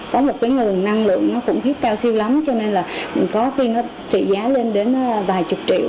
có một cái nguồn năng lượng nó cũng thiết cao siêu lắm cho nên là có khi nó trị giá lên đến vài chục triệu